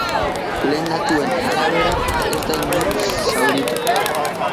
Lehen datuen arabera, ez da inor zauritu.